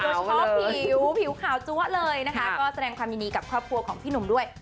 เฉพาะผิวผิวขาวจั๊วเลยนะคะก็แสดงความยินดีกับครอบครัวของพี่หนุ่มด้วย